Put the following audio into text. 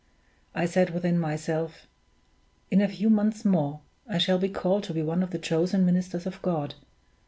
I said within myself, 'In a few months more I shall be called to be one of the chosen ministers of God.